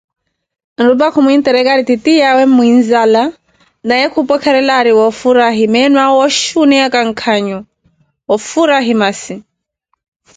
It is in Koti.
Nrupah khumintirikari titiyawe muinzala, naye kupwekerela ari wofuraye meenoawe oshi oneyaka nkanho, ofurahi maasi